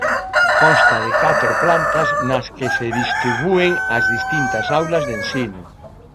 Consta de catro plantas nas que se distribúen as distintas aulas de ensino.